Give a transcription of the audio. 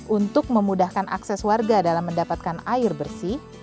untuk memudahkan akses warga dalam mendapatkan air bersih